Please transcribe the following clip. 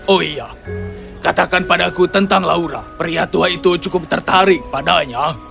oh iya katakan padaku tentang laura pria tua itu cukup tertarik padanya